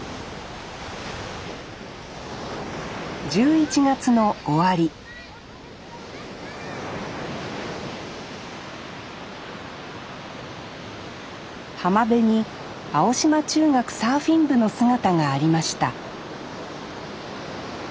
１１月の終わり浜辺に青島中学サーフィン部の姿がありました